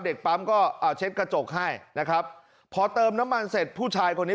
เด็กปั๊มก็อ่าเช็ดกระจกให้นะครับพอเติมน้ำมันเสร็จผู้ชายคนนี้